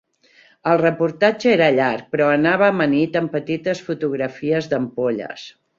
El reportatge era llarg però anava amanit amb petites fotografies d'ampolles.